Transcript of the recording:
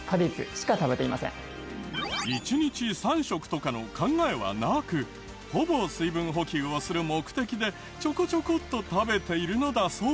１日３食とかの考えはなくほぼ水分補給をする目的でちょこちょこっと食べているのだそう。